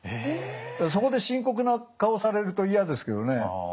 そこで深刻な顔されると嫌ですけどね。